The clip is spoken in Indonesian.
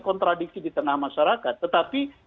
kontradiksi di tengah masyarakat tetapi